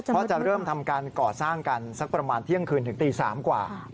เพราะจะเริ่มทำการก่อสร้างกันสักประมาณเที่ยงคืนถึงตี๓กว่า